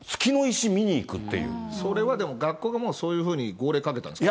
それはでも、学校がそういうふうに号令かけたんですか？